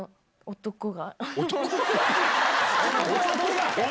男が。